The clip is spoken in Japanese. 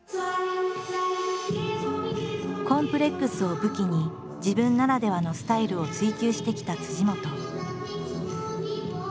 コンプレックスを武器に自分ならではのスタイルを追求してきた本。